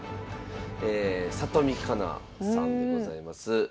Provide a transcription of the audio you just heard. え里見香奈さんでございます。